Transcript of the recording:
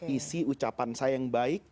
isi ucapan saya yang baik